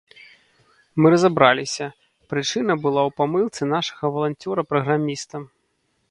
Мы разабраліся: прычына была ў памылцы нашага валанцёра-праграміста.